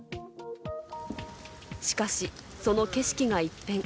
しかし、その景色が一変。